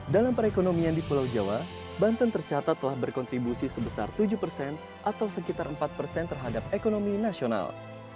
dalam perekonomian di pulau jawa banten tercatat telah berkontribusi sebesar tujuh persen atau sekitar empat persen terhadap ekonomi nasional